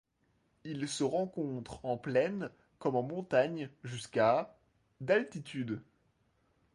Il se rencontre en plaine comme en montagne jusqu'à d'altitude.